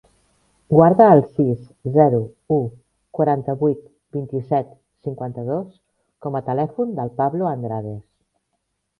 Guarda el sis, zero, u, quaranta-vuit, vint-i-set, cinquanta-dos com a telèfon del Pablo Andrades.